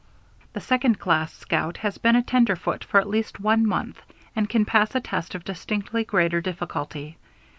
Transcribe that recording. The "Second class" scout has been a tenderfoot for at least one month and can pass a test of distinctly greater difficulty.